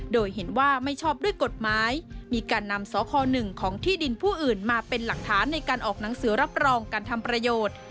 โดยเห็นว่าไม่ชอบด้วยกฎหมายมีการนำสค๑ของที่ดินผู้อื่นมาเป็นหลักฐานในการออกหนังสือรับรองการทำประโยชน์